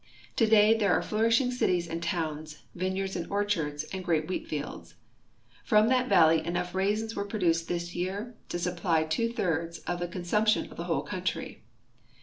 Today there are flourishing cities and towns, vineyards and orchards, and great wheatfields. From that valley enough raisins were ])roduced this year to supply two thirds of the con sumption of the whole country.